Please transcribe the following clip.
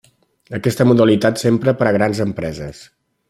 Aquesta modalitat s'empra per a grans empreses.